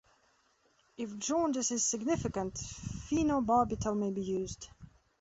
If jaundice is significant phenobarbital may be used.